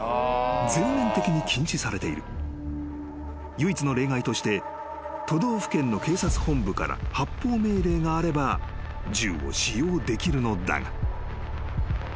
［唯一の例外として都道府県の警察本部から発砲命令があれば銃を使用できるのだが］